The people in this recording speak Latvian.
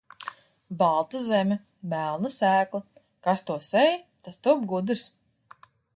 Balta zeme, melna sēkla, kas to sēj, tas top gudrs.